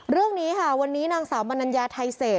เรื่องนี้ค่ะวันนี้นางสาวมนัญญาไทยเศษ